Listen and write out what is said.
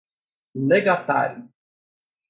legatário